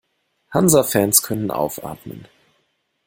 Hansa-Fans können aufatmen.